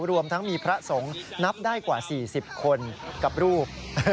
รวมทั้งมีพระสงฆ์นับได้กว่า๔๐คนกับรูป